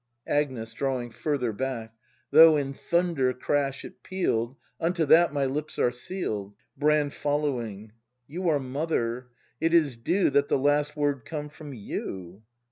Agnes. [Drawing further hack.] Though in thunder crash it peal'd. Unto that my lips are seal'd. Brand. [Following.] You are Mother: it is due That the last word come from you.